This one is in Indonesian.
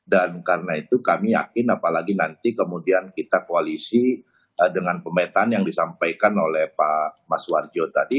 dan karena itu kami yakin apalagi nanti kemudian kita koalisi dengan pemetaan yang disampaikan oleh pak mas warjo tadi